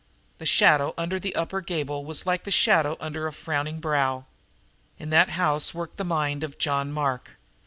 The shadow under the upper gable was like the shadow under a frowning brow. In that house worked the mind of John Mark.